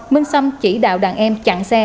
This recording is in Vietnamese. minh sâm chỉ đạo đàn em chặn xe